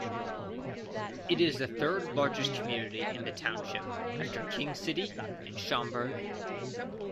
It is the third-largest community in the township, after King City and Schomberg.